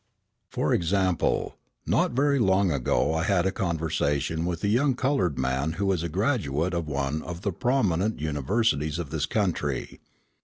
For example, not very long ago I had a conversation with a young coloured man who is a graduate of one of the prominent universities of this country.